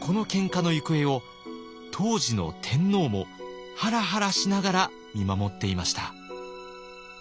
このけんかの行方を当時の天皇もハラハラしながら見守っていました。